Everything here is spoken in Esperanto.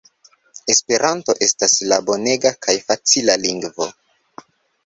Esperanto estas la bonega kaj facila lingvo.